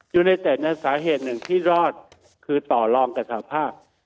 ยูเนเต็ดในสาเหตุหนึ่งที่รอดคือต่อรองกับสภาพ